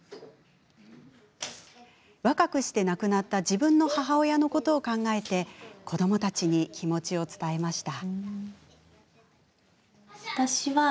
若くして亡くなった自分の母親のことを考えて子どもたちに気持ちを伝えました。